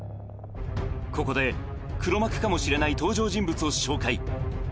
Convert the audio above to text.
ここで黒幕かもしれない登場人物を紹介